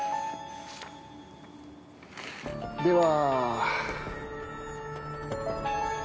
では。